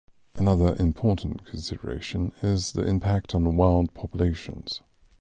Another important consideration is the impact on wild populations.